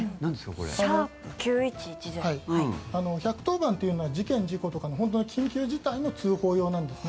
１１０番というのは事件、事故とかの緊急事態の通報用なんですね。